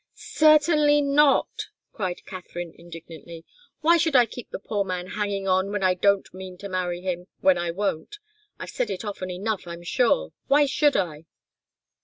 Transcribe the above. "Certainly not!" cried Katharine, indignantly. "Why should I keep the poor man hanging on when I don't mean to marry him when I won't I've said it often enough, I'm sure. Why should I?"